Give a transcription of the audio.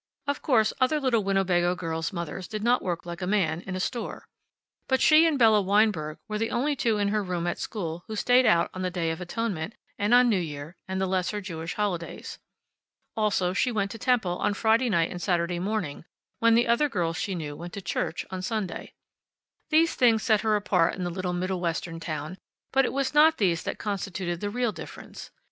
Of course, other little Winnebago girls' mothers did not work like a man, in a store. And she and Bella Weinberg were the only two in her room at school who stayed out on the Day of Atonement, and on New Year, and the lesser Jewish holidays. Also, she went to temple on Friday night and Saturday morning, when the other girls she knew went to church on Sunday. These things set her apart in the little Middle Western town; but it was not these that constituted the real difference.